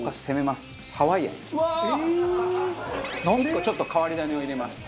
１個ちょっと変わり種を入れます。